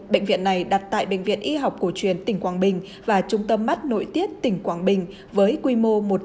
bệnh viện này đặt tại bệnh viện y học cổ truyền tỉnh quảng bình và trung tâm mắt nội tiết tỉnh quảng bình với quy mô một trăm năm mươi sường bệnh